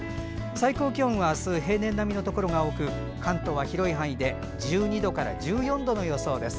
最高気温は明日、平年並みのところが多く関東は広い範囲で１２度から１４度の予想です。